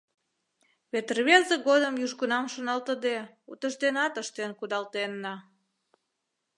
Вет рвезе годым южгунам шоналтыде, утыжденат ыштен кудалтенна.